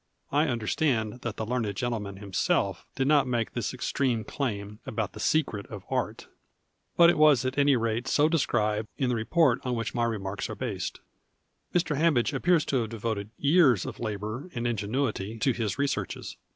I understand tliat the learned gentleman himself did not make this extreme claim about the " secret " of " Art," but it was at any rate so described in the report on which my remarks arc based. Mr. Hambidge appears to have devoted years of labour and ingenuity to his researches.